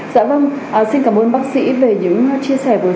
dạ vâng xin cảm ơn bác sĩ về những chia sẻ vừa rồi